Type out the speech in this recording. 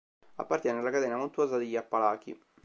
Appartiene alla catena montuosa degli Appalachi.